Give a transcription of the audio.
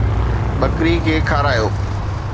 ٻڪري کي کارايو